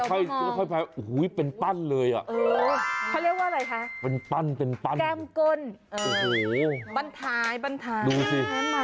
แก้มตึนรู้หู้วันท้ายบ้านท้ายอายมานดูสิ